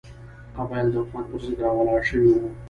قبایل د حکومت پر ضد راولاړ شوي وو.